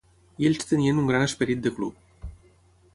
I ells tenien un gran esperit de club.